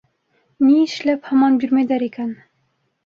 Ни эшләп һаман бирмәйҙәр икән?